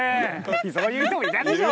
そういう人もいたでしょう。